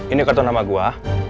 ini kartu nama gue